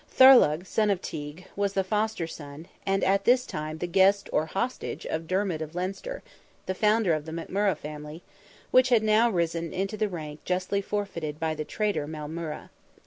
Thorlogh, son of Teigue, was the foster son, and at this time the guest or hostage of Dermid of Leinster, the founder of the McMurrogh family, which had now risen into the rank justly forfeited by the traitor Maelmurra.